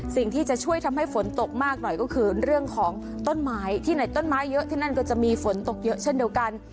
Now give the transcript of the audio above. สิ่งที่จะช่วยทำให้ฝนตกมากหน่อยก็คือเรื่องของต้นไม้ที่ไหนต้นไม้เยอะที่นั่นก็จะมีฝนตกเยอะเช่นเดียวกัน